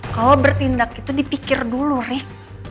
kalo lo bertindak itu dipikir dulu rik